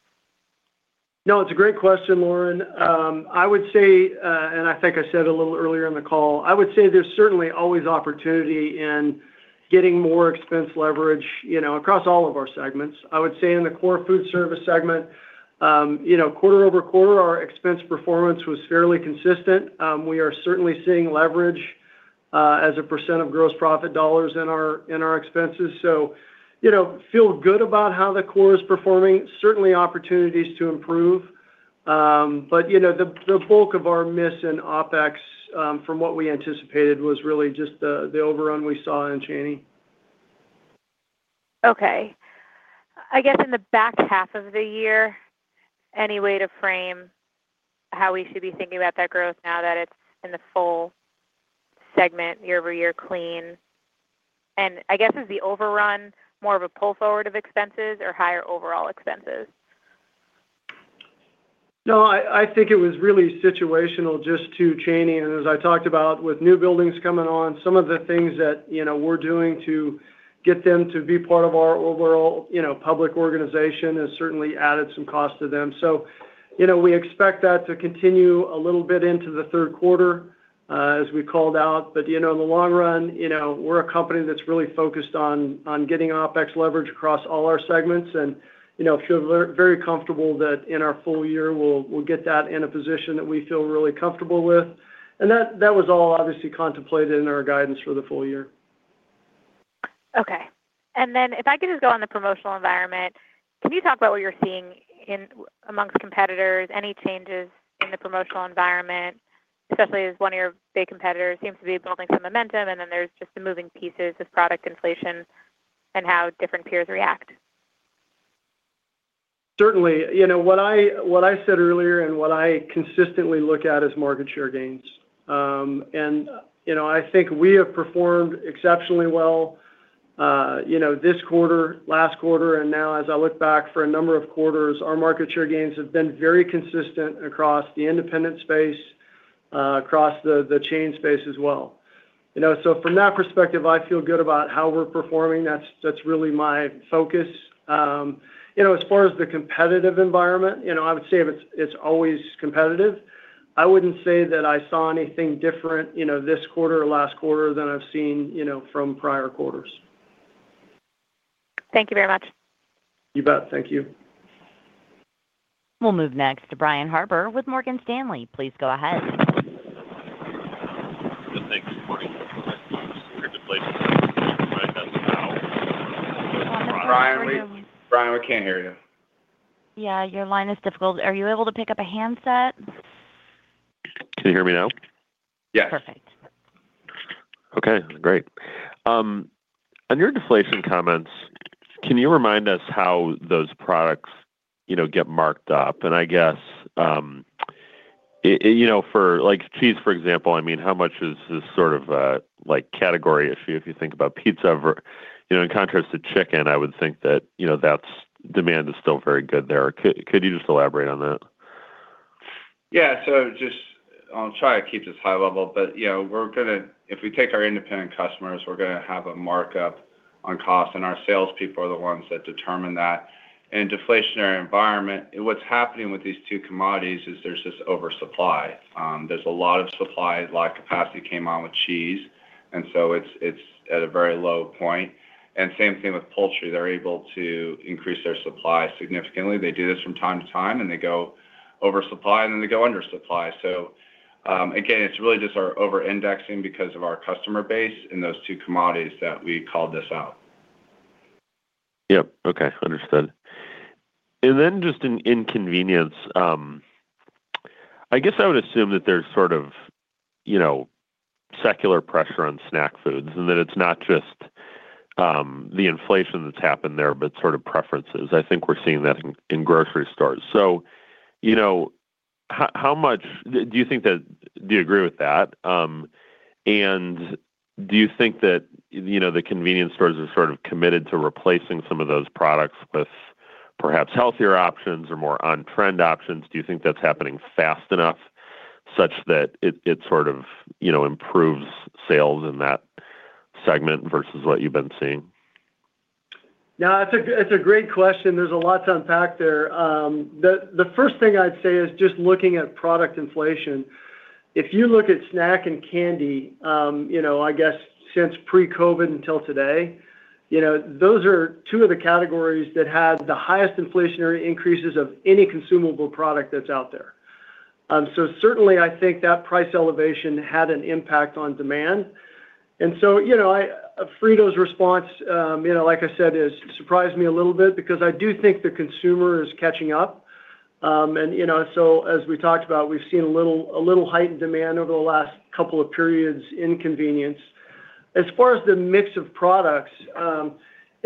No, it's a great question, Lauren. I think I said a little earlier in the call. I would say there's certainly always opportunity in getting more expense leverage, you know, across all of our segments. I would say in the core food service segment, you know, quarter-over-quarter, our expense performance was fairly consistent. We are certainly seeing leverage, as a percent of gross profit dollars in our, in our expenses. So, you know, feel good about how the core is performing. Certainly, opportunities to improve. But, you know, the, the bulk of our miss in OpEx, from what we anticipated, was really just the, the overrun we saw in Cheney. Okay. I guess in the back half of the year, any way to frame how we should be thinking about that growth now that it's in the full segment year over year, clean? And I guess, is the overrun more of a pull forward of expenses or higher overall expenses? No, I, I think it was really situational just to Cheney. And as I talked about, with new buildings coming on, some of the things that, you know, we're doing to get them to be part of our overall, you know, public organization has certainly added some cost to them. So, you know, we expect that to continue a little bit into the third quarter, as we called out, but, you know, in the long run, you know, we're a company that's really focused on, on getting OpEx leverage across all our segments. And, you know, I feel very comfortable that in our full year, we'll, we'll get that in a position that we feel really comfortable with. And that, that was all obviously contemplated in our guidance for the full year. Okay. And then if I could just go on the promotional environment, can you talk about what you're seeing in amongst competitors? Any changes in the promotional environment, especially as one of your big competitors seems to be building some momentum, and then there's just the moving pieces of product inflation and how different peers react? Certainly. You know, what I, what I said earlier and what I consistently look at is market share gains. You know, I think we have performed exceptionally well, you know, this quarter, last quarter, and now as I look back for a number of quarters, our market share gains have been very consistent across the independent space, across the chain space as well. You know, so from that perspective, I feel good about how we're performing. That's, that's really my focus. You know, as far as the competitive environment, you know, I would say it's, it's always competitive. I wouldn't say that I saw anything different, you know, this quarter or last quarter than I've seen, you know, from prior quarters. Thank you very much. You bet. Thank you. We'll move next to Brian Harbour with Morgan Stanley. Please go ahead. Thanks, Morning. Brian, we can't hear you. Yeah, your line is difficult. Are you able to pick up a handset? Can you hear me now? Yes. Perfect. Okay, great. On your deflation comments, can you remind us how those products, you know, get marked up? And I guess, you know, for, like, cheese, for example, I mean, how much is this sort of, like, category issue if you think about pizza, you know, in contrast to chicken, I would think that, you know, that's demand is still very good there. Could you just elaborate on that? Yeah. So just... I'll try to keep this high level, but, you know, we're gonna—if we take our independent customers, we're gonna have a markup on cost, and our salespeople are the ones that determine that. In a deflationary environment, what's happening with these two commodities is there's just oversupply. There's a lot of supply, a lot of capacity came on with cheese, and so it's, it's at a very low point. And same thing with poultry. They're able to increase their supply significantly. They do this from time to time, and they go oversupply, and then they go undersupply. So, again, it's really just our overindexing because of our customer base in those two commodities that we called this out. Yep. Okay, understood. And then just in convenience, I guess I would assume that there's sort of, you know, secular pressure on snack foods, and that it's not just the inflation that's happened there, but sort of preferences. I think we're seeing that in grocery stores. So, you know, how much do you agree with that? And do you think that, you know, the convenience stores are sort of committed to replacing some of those products with perhaps healthier options or more on-trend options? Do you think that's happening fast enough such that it sort of, you know, improves sales in that segment versus what you've been seeing? Yeah, it's a great question. There's a lot to unpack there. The first thing I'd say is just looking at product inflation. If you look at snack and candy, you know, I guess since pre-COVID until today, you know, those are two of the categories that had the highest inflationary increases of any consumable product that's out there. So certainly I think that price elevation had an impact on demand. And so, you know, Frito's response, you know, like I said, it surprised me a little bit because I do think the consumer is catching up. And, you know, so as we talked about, we've seen a little heightened demand over the last couple of periods in convenience. As far as the mix of products, you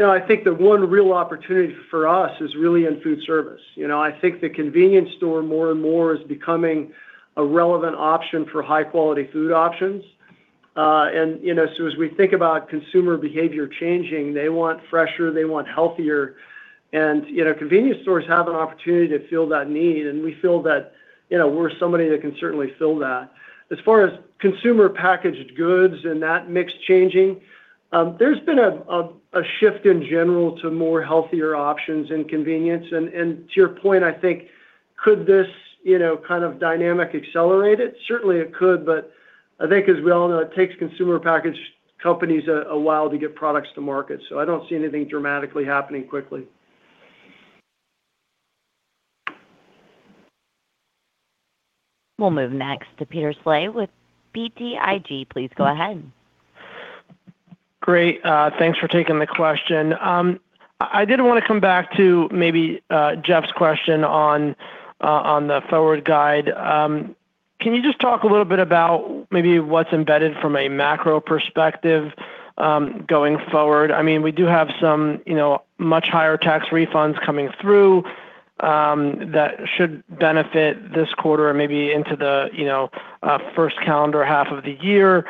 know, I think the one real opportunity for us is really in food service. You know, I think the convenience store, more and more, is becoming a relevant option for high-quality food options. And, you know, so as we think about consumer behavior changing, they want fresher, they want healthier, and, you know, convenience stores have an opportunity to fill that need, and we feel that, you know, we're somebody that can certainly fill that. As far as consumer packaged goods and that mix changing, there's been a shift in general to more healthier options and convenience. And to your point, I think, could this, you know, kind of dynamic accelerate it? Certainly, it could, but I think, as we all know, it takes consumer package companies a while to get products to market, so I don't see anything dramatically happening quickly. We'll move next to Peter Saleh with BTIG. Please go ahead. Great. Thanks for taking the question. I did wanna come back to maybe Jeff's question on the forward guide. Can you just talk a little bit about maybe what's embedded from a macro perspective going forward? I mean, we do have some, you know, much higher tax refunds coming through that should benefit this quarter or maybe into the, you know, first calendar half of the year.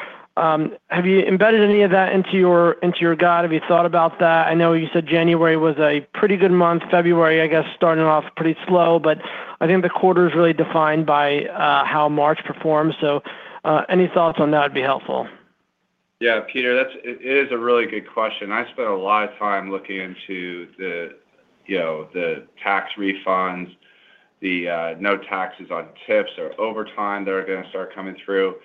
Have you embedded any of that into your guide? Have you thought about that? I know you said January was a pretty good month. February, I guess, started off pretty slow, but I think the quarter is really defined by how March performs. So, any thoughts on that would be helpful.... Yeah, Peter, that's it. It is a really good question. I spent a lot of time looking into the, you know, the tax refunds, the no taxes on tips or overtime that are gonna start coming through.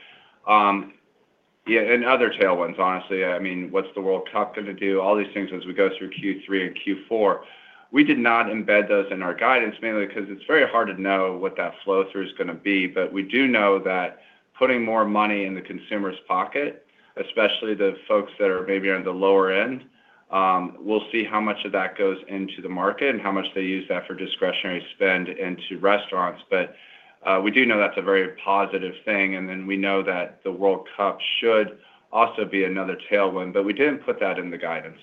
Yeah, and other tailwinds, honestly. I mean, what's the World Cup gonna do? All these things as we go through Q3 and Q4. We did not embed those in our guidance, mainly because it's very hard to know what that flow-through is gonna be. But we do know that putting more money in the consumer's pocket, especially the folks that are maybe on the lower end, we'll see how much of that goes into the market and how much they use that for discretionary spend into restaurants. But, we do know that's a very positive thing, and then we know that the World Cup should also be another tailwind, but we didn't put that in the guidance.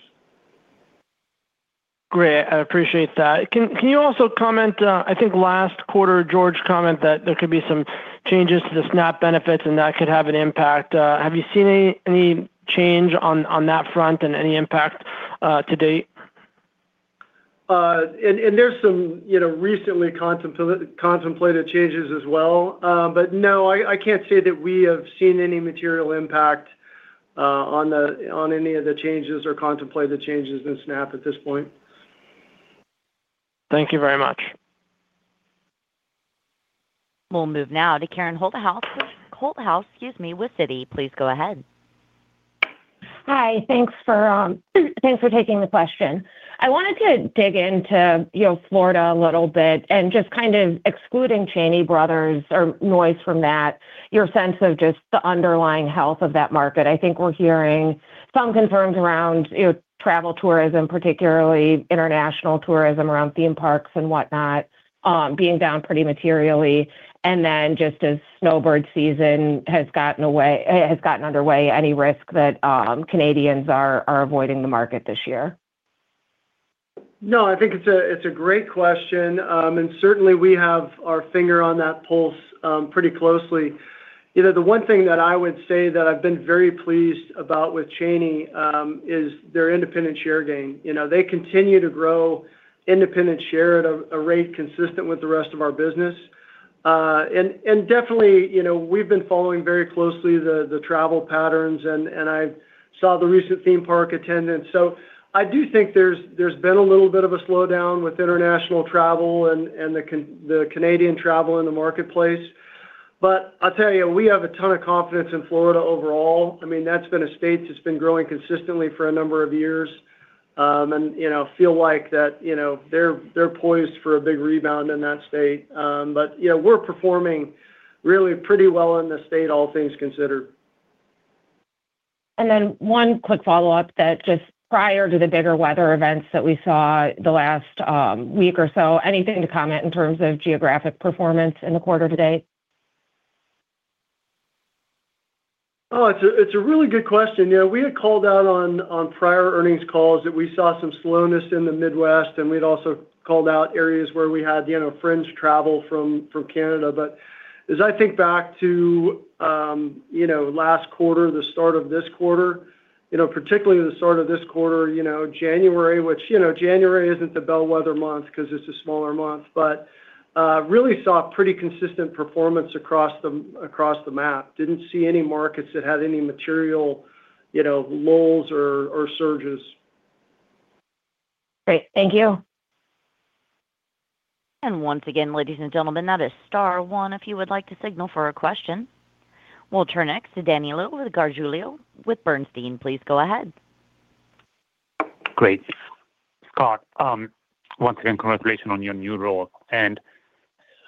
Great. I appreciate that. Can you also comment? I think last quarter, George commented that there could be some changes to the SNAP benefits and that could have an impact. Have you seen any change on that front and any impact to date? And there's some, you know, recently contemplated changes as well. But no, I can't say that we have seen any material impact on any of the changes or contemplated changes in SNAP at this point. Thank you very much. We'll move now to Karen Holthouse, Holthouse, excuse me, with Citi. Please go ahead. Hi. Thanks for taking the question. I wanted to dig into, you know, Florida a little bit and just kind of excluding Cheney Brothers or noise from that, your sense of just the underlying health of that market. I think we're hearing some concerns around, you know, travel tourism, particularly international tourism, around theme parks and whatnot, being down pretty materially. And then just as snowbird season has gotten underway, any risk that Canadians are avoiding the market this year? No, I think it's a great question. And certainly we have our finger on that pulse pretty closely. You know, the one thing that I would say that I've been very pleased about with Cheney is their independent share gain. You know, they continue to grow independent share at a rate consistent with the rest of our business. And definitely, you know, we've been following very closely the travel patterns, and I saw the recent theme park attendance. So I do think there's been a little bit of a slowdown with international travel and the Canadian travel in the marketplace. But I'll tell you, we have a ton of confidence in Florida overall. I mean, that's been a state that's been growing consistently for a number of years. You know, feel like that, you know, they're poised for a big rebound in that state. You know, we're performing really pretty well in the state, all things considered. Then one quick follow-up, that just prior to the bigger weather events that we saw the last week or so, anything to comment in terms of geographic performance in the quarter to date? Oh, it's a really good question. You know, we had called out on prior earnings calls that we saw some slowness in the Midwest, and we'd also called out areas where we had, you know, fringe travel from Canada. But as I think back to, you know, last quarter, the start of this quarter, you know, particularly the start of this quarter, you know, January, which, you know, January isn't the bellwether month because it's a smaller month. But really saw pretty consistent performance across the map. Didn't see any markets that had any material, you know, lulls or surges. Great. Thank you. Once again, ladies and gentlemen, that is star one, if you would like to signal for a question. We'll turn next to Danilo Gargiulo with Bernstein. Please go ahead. Great. Scott, once again, congratulations on your new role,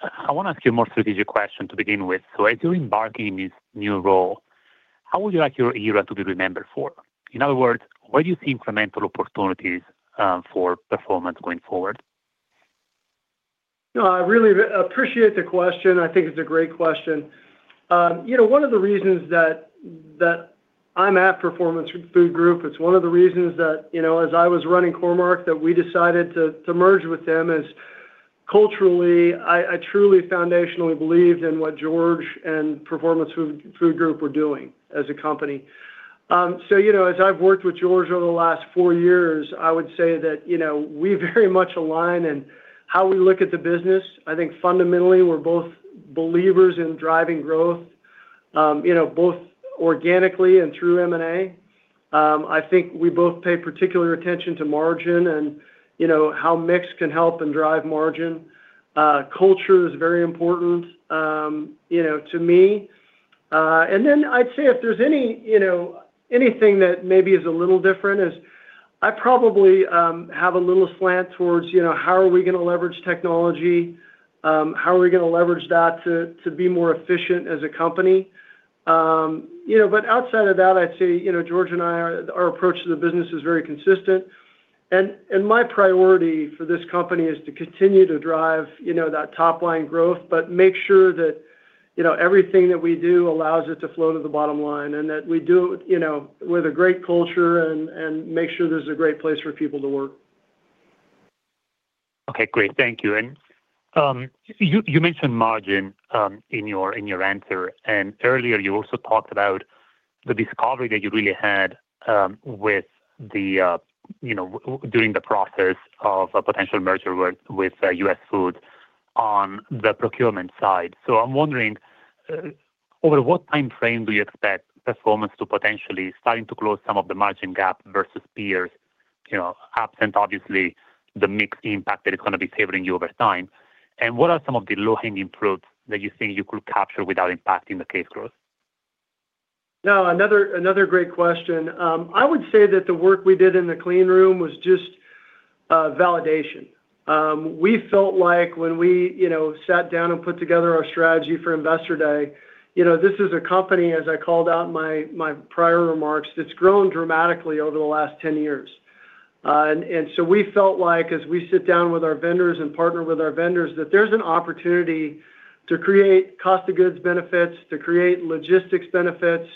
and I want to ask you a more strategic question to begin with. So as you embark in this new role, how would you like your era to be remembered for? In other words, where do you see incremental opportunities, for Performance going forward? No, I really appreciate the question. I think it's a great question. You know, one of the reasons that I'm at Performance Food Group, it's one of the reasons that, you know, as I was running Core-Mark, that we decided to merge with them is, culturally, I truly foundationally believed in what George and Performance Food Group were doing as a company. So, you know, as I've worked with George over the last four years, I would say that, you know, we very much align in how we look at the business. I think fundamentally, we're both believers in driving growth, you know, both organically and through M&A. I think we both pay particular attention to margin and, you know, how mix can help and drive margin. Culture is very important, you know, to me. And then I'd say if there's any, you know, anything that maybe is a little different is, I probably have a little slant towards, you know, how are we gonna leverage technology? How are we gonna leverage that to be more efficient as a company? You know, but outside of that, I'd say, you know, George and I, our approach to the business is very consistent. My priority for this company is to continue to drive, you know, that top-line growth, but make sure that, you know, everything that we do allows it to flow to the bottom line, and that we do it, you know, with a great culture and make sure this is a great place for people to work. Okay, great. Thank you. And you mentioned margin in your answer, and earlier you also talked about the discovery that you really had with the you know during the process of a potential merger with US Foods on the procurement side. So I'm wondering, over what time frame do you expect Performance to potentially starting to close some of the margin gap versus peers, you know, absent obviously the mixed impact that is gonna be favoring you over time? And what are some of the low-hanging fruits that you think you could capture without impacting the case growth? No, another, another great question. I would say that the work we did in the clean room was just validation. We felt like when we, you know, sat down and put together our strategy for Investor Day, you know, this is a company, as I called out in my prior remarks, that's grown dramatically over the last 10 years. And so we felt like as we sit down with our vendors and partner with our vendors, that there's an opportunity to create cost of goods benefits, to create logistics benefits,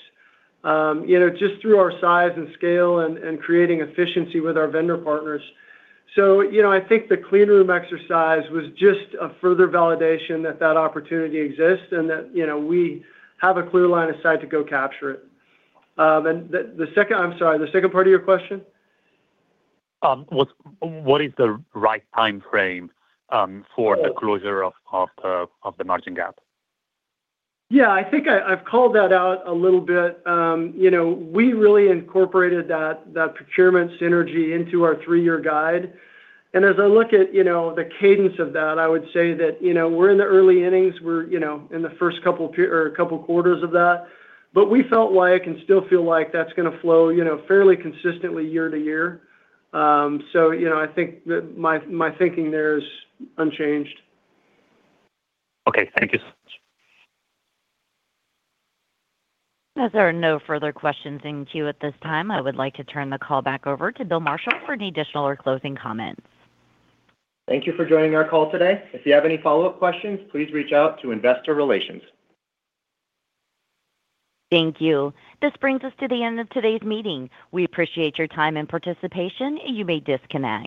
you know, just through our size and scale and creating efficiency with our vendor partners. So, you know, I think the clean room exercise was just a further validation that that opportunity exists, and that, you know, we have a clear line of sight to go capture it. And the second... I'm sorry, the second part of your question? What is the right time frame for the closure of the margin gap? Yeah, I think I, I've called that out a little bit. You know, we really incorporated that, that procurement synergy into our three-year guide. And as I look at, you know, the cadence of that, I would say that, you know, we're in the early innings. We're, you know, in the first couple of per-- or couple quarters of that. But we felt like and still feel like that's gonna flow, you know, fairly consistently year to year. So, you know, I think that my, my thinking there is unchanged. Okay. Thank you so much. As there are no further questions in queue at this time, I would like to turn the call back over to Bill Marshall for any additional or closing comments. Thank you for joining our call today. If you have any follow-up questions, please reach out to Investor Relations. Thank you. This brings us to the end of today's meeting. We appreciate your time and participation. You may disconnect.